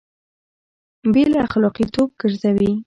بې له اخلاقي توب ګرځوي